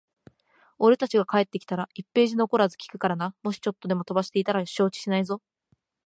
俺たちが帰ってきたら、一ページ残らず聞くからな。もしちょっとでも飛ばしていたら承知しないぞ。